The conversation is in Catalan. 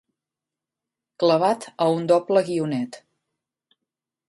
Clavat a un doble guionet.